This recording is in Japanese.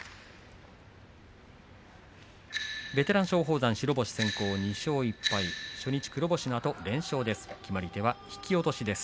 ベテラン松鳳山白星先行２勝１敗初日黒星のあと連勝です。